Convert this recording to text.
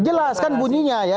jelaskan bunyinya ya